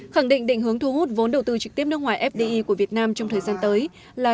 khẳng định định hướng thu hút vốn đầu tư trực tiếp nước ngoài fdi của việt nam trong thời gian tới là